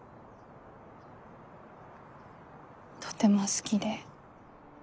とても好きで。